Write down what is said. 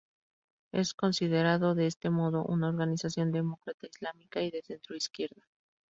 Es considerado de este modo una organización demócrata islámica y de centroizquierda.